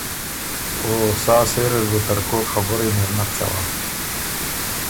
او سا سېره ر بُو ترکوک خبُرئ نر نک څوا۔